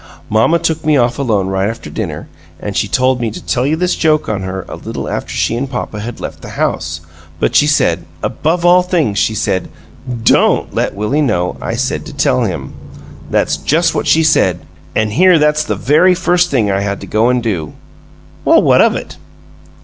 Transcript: Mamma took me off alone right after dinner, an' she told me to tell you this joke on her a little after she an' papa had left the house, but she said, 'Above all THINGS,' she said, 'DON'T let Willie know I said to tell him.' That's just what she said, an' here that's the very first thing I had to go an' do!" "Well, what of it?"